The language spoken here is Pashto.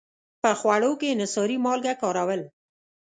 په خوړو کې انحصاري مالګه کارول.